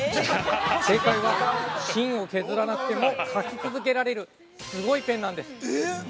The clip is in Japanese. ◆正解は、芯を削らなくても書き続けられるすごいペンなんです！